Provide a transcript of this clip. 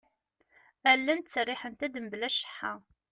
Allen ttseriḥent-d mebla cceḥḥa.